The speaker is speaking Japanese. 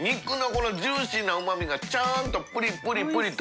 このジューシーなうま味がちゃんとプリプリプリと。